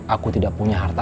aku tidak punya harta